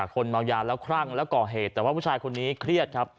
คนเมายาแล้วคลั่งแล้วก่อเหตุแต่ว่าผู้ชายคนนี้เครียดครับ